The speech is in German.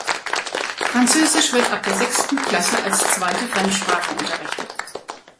Französisch wird ab der sechsten Klasse als zweite Fremdsprache unterrichtet.